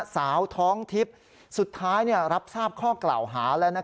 สาวท้องทิพย์สุดท้ายรับทราบข้อกล่าวหาแล้ว